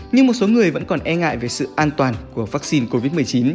nhưng một số người vẫn còn e ngại về sự an toàn của vaccine covid một mươi chín